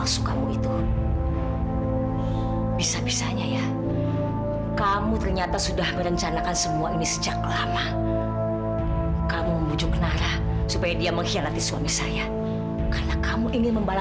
sampai jumpa di video selanjutnya